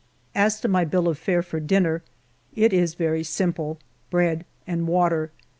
As to my bill of fare for dinner, it is very simple, — bread and water.